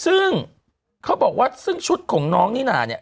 ซึ่งเขาบอกว่าซึ่งชุดของน้องนิน่าเนี่ย